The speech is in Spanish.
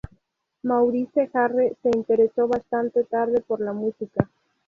Maurice Jarre se interesó bastante tarde por la música.